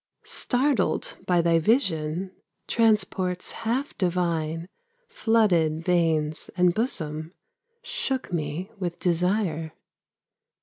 Startled by thy vision, Transports half divine Flooded veins and bosom, Shook me with desire.